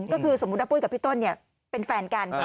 ก็คือสมมุติพูดกับพี่ต้นเป็นแฟนกัน